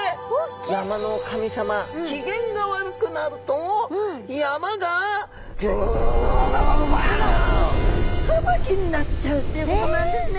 山の神様機嫌が悪くなると山が吹雪になっちゃうということなんですね。